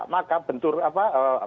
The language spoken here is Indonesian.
maka bentur apa